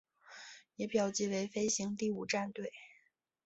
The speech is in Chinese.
也表记为飞行第五战队。